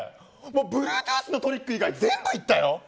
ブルートゥースのトリック以外全部言ったよ！